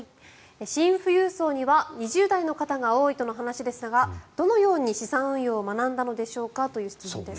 シン富裕層には２０代の方が多いとの話ですがどのように資産運用を学んだのでしょうかという質問です。